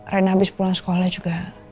rena habis pulang sekolah juga